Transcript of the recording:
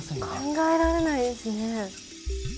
考えられないですね。